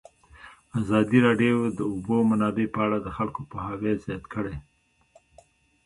ازادي راډیو د د اوبو منابع په اړه د خلکو پوهاوی زیات کړی.